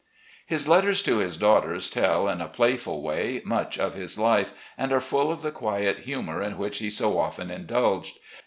His letters to his daughters tell, in a playful way, much of his life, and are full of the quiet humour in which he so often indulged.